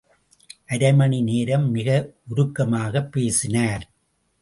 அரைமணி நேரம் மிக உருக்கமாகப் பேசினார்.